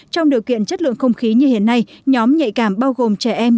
trong điều kiện chất lượng không khí như hiện nay nhóm nhạy cảm bao gồm trẻ em